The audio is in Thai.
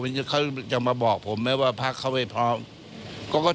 ผมใช่เค้ามาบอกผมไหมว่าพักเค้าเป็นครอบครอบครัว